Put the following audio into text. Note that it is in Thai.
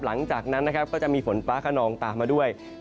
หลังจากนั้นนะครับก็จะมีฝนฟ้าขนองตามมาด้วย